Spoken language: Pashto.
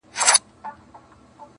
له رمباړو له زګېروي څخه سو ستړی.!